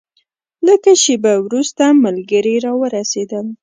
لږه شېبه وروسته ملګري راورسېدل.